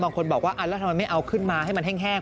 บางคนบอกว่าแล้วทำไมไม่เอาขึ้นมาให้มันแห้ง